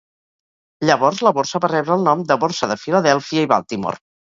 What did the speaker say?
Llavors, la borsa va rebre el nom de Borsa de Filadèlfia i Baltimore.